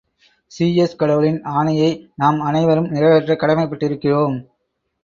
Zeus கடவுளின் ஆணையை நாம் அனைவரும் நிறைவேற்றக் கடமைப்பட்டிருக்கிறோம்.